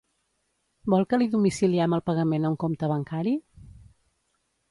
Vol que li domiciliem el pagament a un compte bancari?